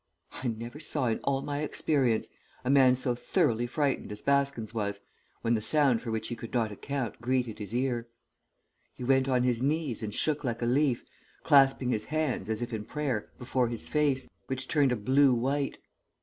I never saw in all my experience a man so thoroughly frightened as Baskins was when the sound for which he could not account greeted his ear. He went on his knees and shook like a leaf, clasping his hands, as if in prayer, before his face, which turned a blue white.